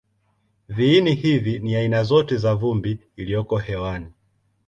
Viini hivi ni aina zote za vumbi iliyoko hewani.